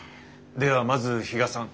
ではまず比嘉さん。